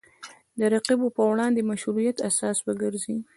د رقیبو پر وړاندې مشروعیت اساس وګرځي